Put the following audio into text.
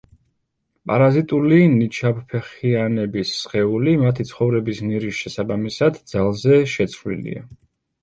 პარაზიტული ნიჩაბფეხიანების სხეული, მათი ცხოვრების ნირის შესაბამისად, ძალზე შეცვლილია.